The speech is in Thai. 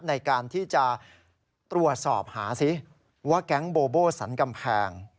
ในการที่จะตรวจสอบหาซิว่าแก๊งโบโบสันกำแพง